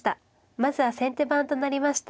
まずは先手番となりました